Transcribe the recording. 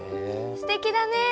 すてきだね。